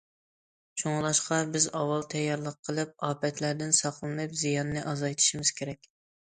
شۇڭلاشقا بىز ئاۋۋال تەييارلىق قىلىپ ئاپەتلەردىن ساقلىنىپ زىياننى ئازايتىشىمىز كېرەك.